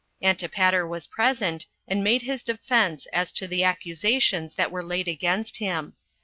Antipater was present, and made his defense as to the accusations that were laid against him.